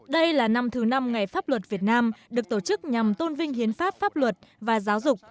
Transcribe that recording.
đây là năm thứ năm ngày pháp luật việt nam được tổ chức nhằm tôn vinh hiến pháp pháp luật và giáo dục